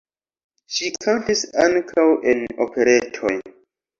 Ŝi kantis ankaŭ en operetoj.